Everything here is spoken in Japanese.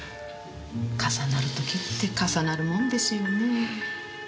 重なる時って重なるもんですよね。